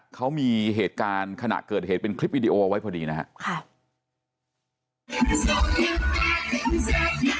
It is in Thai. เขามีเหตุการณ์ขณะเกิดเหตุเป็นคลิปวิดีโอเอาไว้พอดีนะครับ